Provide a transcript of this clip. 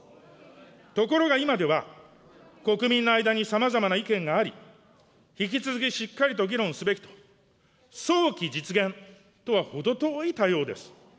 ところが今では、国民の間にさまざまな意見があり、引き続きしっかりと議論すべきと、早期実現とは程遠い対応です。